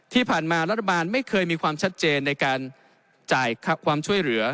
ที่ผ่านมารัฐบาลไม่เคยมีความชัดเจนในการจ่ายความช่วยเหลือ